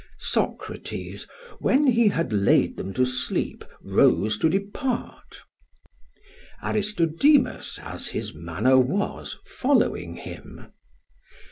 Socrates, when he had laid them to sleep, rose to depart: Aristodemus, as his manner was, following him.